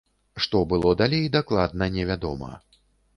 Што было далей дакладна невядома.